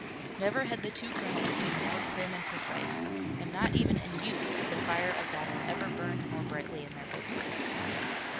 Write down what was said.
Never had the two colonels seemed more prim and precise, and not even in youth had the fire of battle ever burned more brightly in their bosoms.